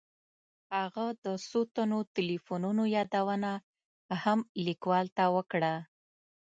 هغه د څو تنو تیلیفونونو یادونه هم لیکوال ته وکړه.